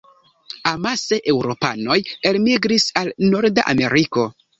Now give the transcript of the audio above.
Amase eŭropanoj elmigris al norda Ameriko.